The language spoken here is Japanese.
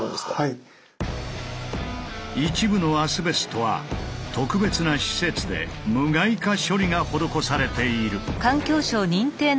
一部のアスベストは特別な施設で「無害化処理」が施されている。